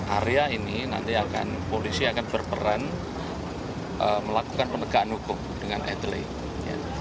area ini nanti akan polisi akan berperan melakukan penegakan hukum dengan etelit